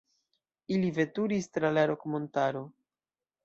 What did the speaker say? Ili veturis tra la Rok-montaro.